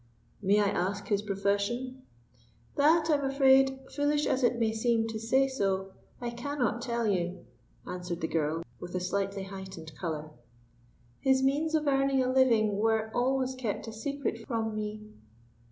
"May I ask his profession?" "That, I'm afraid, foolish as it may seem to say so, I cannot tell you," answered the girl, with a slightly heightened color. "His means of earning a living were always kept a secret from me."